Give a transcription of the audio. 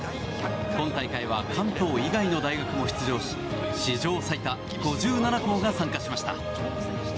今大会は関東以外の大学も出場し史上最多５７校が参加しました。